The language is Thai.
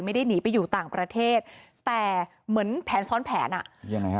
ไม่ได้หนีไปอยู่ต่างประเทศแต่เหมือนแผนซ้อนแผนอ่ะยังไงฮะ